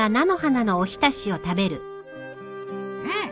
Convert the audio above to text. うん！